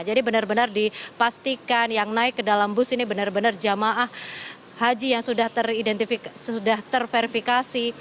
jadi benar benar dipastikan yang naik ke dalam bus ini benar benar jemaah haji yang sudah terverifikasi